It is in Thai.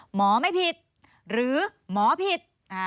หมอไม่ผิดหรือหมอผิด